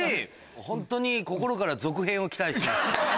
ホントに心から続編を期待します。